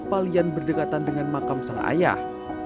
palian berdekatan dengan makam sang ayah